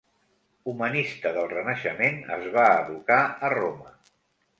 Humanista del Renaixement, es va educar a Roma.